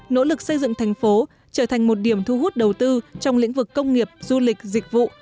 nỗ lực xây dựng thành phố trở thành một điểm thu hút đầu tư trong lĩnh vực công nghiệp du lịch dịch vụ